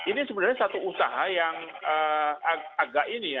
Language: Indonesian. ini sebenarnya satu usaha yang agak ini ya